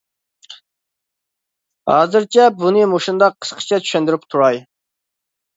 ھازىرچە بۇنى مۇشۇنداق قىسقىچە چۈشەندۈرۈپ تۇراي.